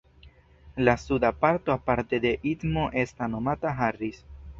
La suda parto aparte de istmo estas nomata Harris.